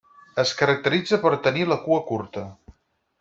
Es caracteritza per tenir la cua curta.